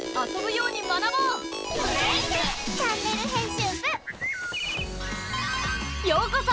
ようこそ！